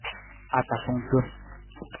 Atasung tom.